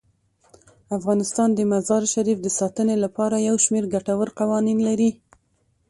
افغانستان د مزارشریف د ساتنې لپاره یو شمیر ګټور قوانین لري.